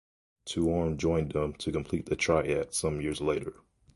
Torm joined them to complete the Triad some years later.